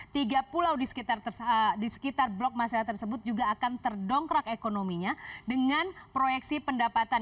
tiga pulau di sekitar blok masyarakat tersebut juga akan terdongkrak ekonominya dengan proyeksi pendapatan